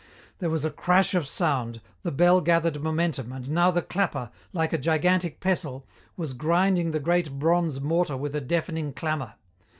There was a crash of sound, the bell gathered momentum, and now the clapper, like a gigantic pestle, was grinding the great bronze mortar with a deafening clamour.